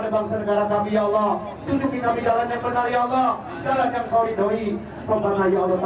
berikan rahmat pada bangsa negara kami ya allah